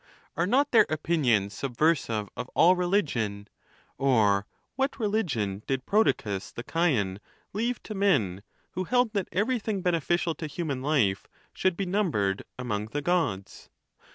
Are not their opinions subversive of all relig ion? Or what religion did Prodicus the Chian leave to men, who held that everything beneficial to human life should be numbei ed among the Gods?